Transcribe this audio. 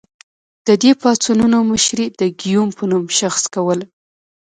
د دې پاڅونونو مشري د ګیوم په نوم شخص کوله.